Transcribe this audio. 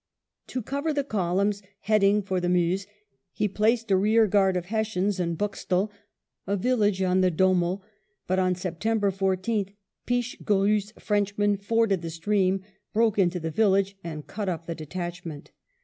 To cover the columns heading for the Meuse he placed a rear guard of Hessians in Boxtel, a village on the Dommel; but on September 14th Pichegru's Frenchmen forded the stream, broke into the village, and cut up the detachment.